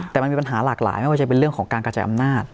แต่มันมีปัญหาหลากหลายไม่ว่าจะเป็นเรื่องของการกระจายอำนาจ